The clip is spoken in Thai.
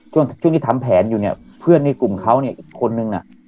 ช่วงที่ทำแผนอยู่เนี้ยเพื่อนในกลุ่มเขาเนี้ยคนหนึ่งน่ะ